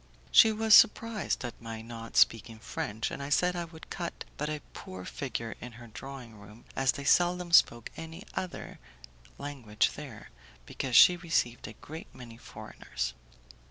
She was surprised at my not speaking French, and said I would cut but a poor figure in her drawing room, as they seldom spoke any other language there, because she received a great many foreigners.